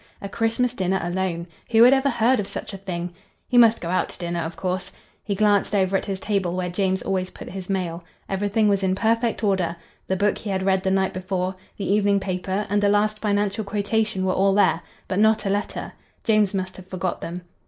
A Christmas dinner alone! Who had ever heard of such a thing! He must go out to dinner, of course. He glanced over at his table where James always put his mail. Everything was in perfect order: the book he had read the night before; the evening paper and the last financial quotation were all there; but not a letter. James must have forgot them.